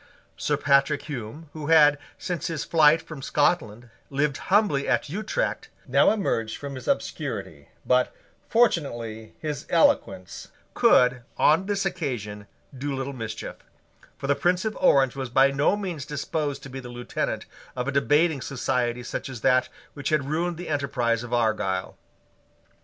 Sir Patrick Hume, who had, since his flight from Scotland, lived humbly at Utrecht, now emerged from his obscurity: but, fortunately, his eloquence could, on this occasion, do little mischief; for the Prince of Orange was by no means disposed to be the lieutenant of a debating society such as that which had ruined the enterprise of Argyle.